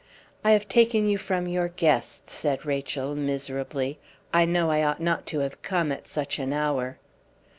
"I have taken you from your guests," said Rachel, miserably. "I know I ought not to have come at such an hour."